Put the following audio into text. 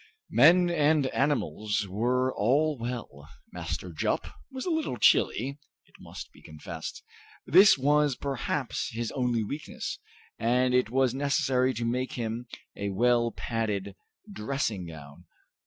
Men and animals were all well. Master Jup was a little chilly, it must be confessed. This was perhaps his only weakness, and it was necessary to make him a well padded dressing gown.